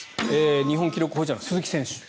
日本記録保持者の鈴木選手